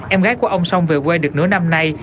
em gái của ông song về quê được nửa năm nay